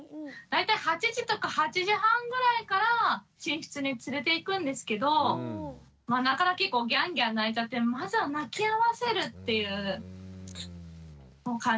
大体８時とか８時半ぐらいから寝室に連れていくんですけど結構ギャンギャン泣いちゃってまずは泣きやませるっていう感じですかね。